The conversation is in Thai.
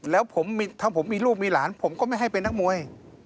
แล้วถ้าผมมีลูกมีหลานผมก็ไม่ให้เป็นนักมวย